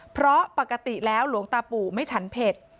เพราะปกติแล้วหลวงตาปู่ไม่ฉันเผ็ด